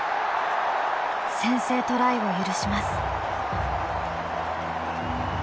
先制トライを許します。